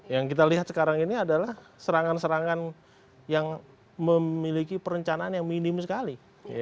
yang kita lihat sekarang ini adalah serangan serangan yang memiliki perencanaan yang minim sekali